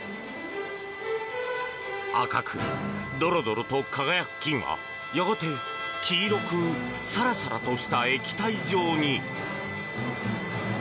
赤くドロドロと輝く金はやがて、黄色くサラサラとした液体状に。